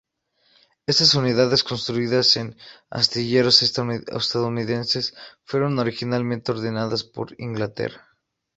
Estas unidades, construidas en astilleros estadounidenses, fueron originalmente ordenadas por Inglaterra.